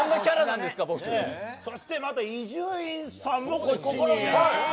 そして伊集院さんもこっちに。